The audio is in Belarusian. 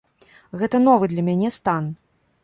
Гэта новы для мяне стан.